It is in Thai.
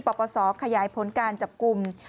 ปรับประสอบขยายพ้นการจับกลุ่ม